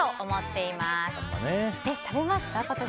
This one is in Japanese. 食べました。